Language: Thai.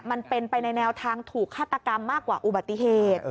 มันเป็นไปในแนวทางถูกฆาตกรรมมากกว่าอุบัติเหตุ